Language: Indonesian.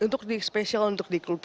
ya untuk di spesial untuk dikonsumsi